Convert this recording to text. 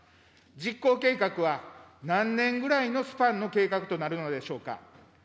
実行計画は、何年ぐらいのスパンの計画となるのでしょうか。